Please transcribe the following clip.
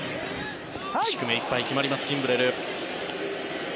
低めいっぱい決まります、キンブレル。